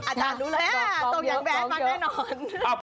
อาจารย์รู้เลยตรงอย่างแบบฟังแน่นอน